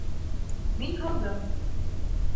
Мин һалдым.